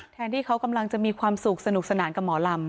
แทนที่เขากำลังจะมีความสุขสนุกสนานกับหมอลำ